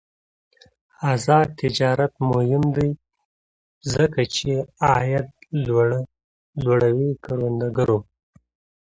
آزاد تجارت مهم دی ځکه چې عاید لوړوي کروندګرو.